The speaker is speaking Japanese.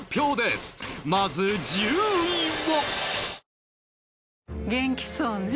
まず１０位は